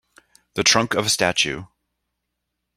The trunk of a statue.